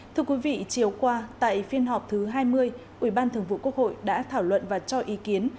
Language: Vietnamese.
thưa quý vị chiều qua tại phiên họp thứ hai mươi ủy ban thường vụ quốc hội đã thảo luận và cho ý kiến